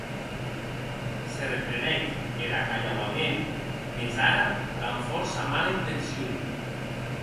Se reprenec er acalhauament, mès ara damb fòrça mala intencion.